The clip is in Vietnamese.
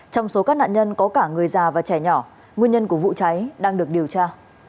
trong số các nạn nhân có cả người già và trẻ nhỏ nguyên nhân của vụ cháy đang được điều tra